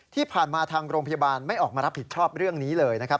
ที่ผ่านมาทางโรงพยาบาลไม่ออกมารับผิดชอบเรื่องนี้เลยนะครับ